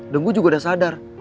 dan gue juga udah sadar